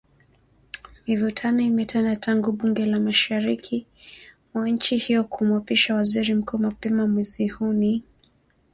Mivutano imetanda tangu bunge la mashariki mwa nchi hiyo kumwapisha Waziri Mkuu mapema mwezi huu, ni changamoto kwa Waziri Mkuu wa muda Abdulhamid Dbeibah